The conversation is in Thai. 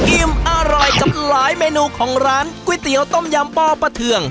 อิ่มอร่อยกับหลายเมนูของร้านก๋วยเตี๋ยวต้มยำปอปะเทือง